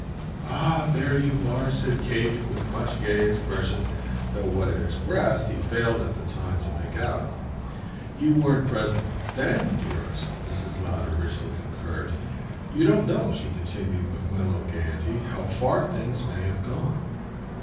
"Ah there you are!" said Kate with much gay expression, though what it expressed he failed at the time to make out. "You weren't present THEN, dearest," Mrs. Lowder richly concurred. "You don't know," she continued with mellow gaiety, "how far things may have gone."